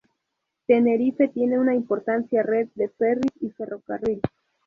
Tenerife tiene una importante red de ferris y ferrocarril.